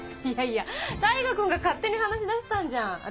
いやいや大牙君が勝手に話しだしたんじゃん。